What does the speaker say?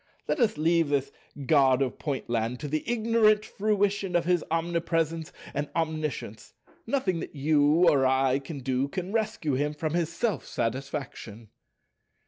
Let us leave this God of Pointland to the ignorant fruition of his omnipresence and omniscience: nothing that you or I can do can rescue him from his self satisfaction."